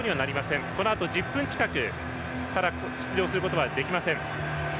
ただ、このあと１０分近く出場することはできません。